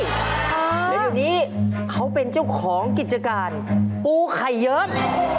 และดูนี่เขาเป็นเจ้าของกิจการปูไข่เยอะ